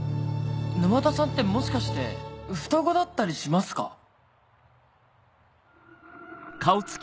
沼田さんってもしかして双子だったりしますか？